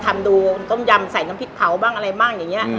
ก็มาดูต้มยัมใส่น้ำพริกเผาอะไรบ้างอย่างนี้